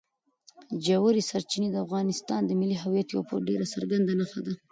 ژورې سرچینې د افغانستان د ملي هویت یوه ډېره څرګنده نښه ده.